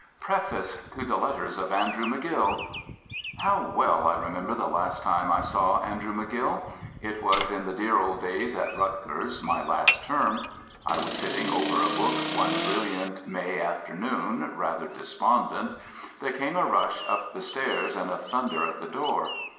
PREFACE TO "THE LETTERS OF ANDREW MCGILL" How well I remember the last time I saw Andrew McGill! It was in the dear old days at Rutgers, my last term. I was sitting over a book one brilliant May afternoon, rather despondent—there came a rush up the stairs and a thunder at the door.